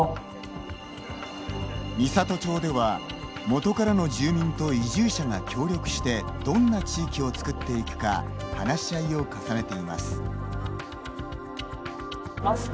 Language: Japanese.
美郷町では、もとからの住民と移住者が協力してどんな地域を作っていくか話し合いを重ねています。